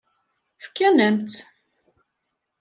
Fkan-am-tt.